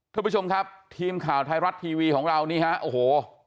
ท่านผู้ชมครับทีมข่าวไทยรัฐทีวีของเรานี่ฮะโอ้โห